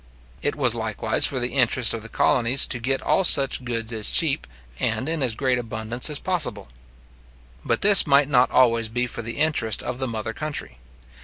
It was likewise for the interest of the colonies to get all such goods as cheap, and in as great abundance as possible. But this might not always be for the interest of the mother country.